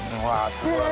すごい！